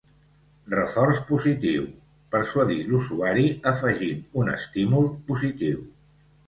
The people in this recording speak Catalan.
Reforç positiu: persuadir l'usuari afegint un estímul positiu.